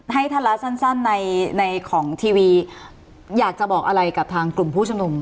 ให้ท่านละสั้นในของทีวีอยากจะบอกอะไรกับทางกลุ่มผู้ชมนุม